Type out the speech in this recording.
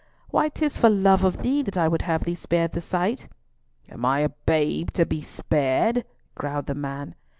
Why, 'tis for love of thee that I would have thee spared the sight." "Am I a babe to be spared?" growled the man.